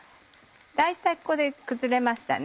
大体ここで崩れましたね。